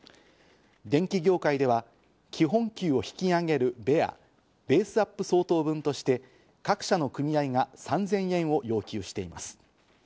電機業界では基本給を引き上げるベア＝ベースアップ相当分として各社の組合が３０００円を要求しています。